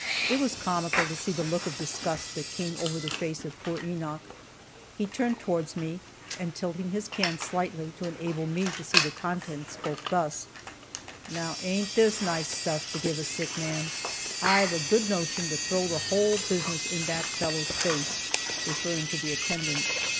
It was comical to see the look of disgust that came over the face of poor Enoch. He turned towards me, and tilting his can slightly to enable me to see the contents, spoke thus: "Now, ain't this nice stuff to give a sick man? I've a good notion to throw the whole business in that fellow's face;" (referring to the attendant).